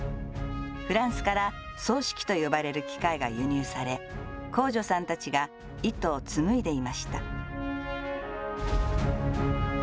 フランスから繰糸機と呼ばれる機械が輸入され、工女さんたちが糸を紡いでいました。